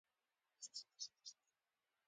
هلته څلورم ټانک پوځ ځای پرځای و او مقاومت یې کاوه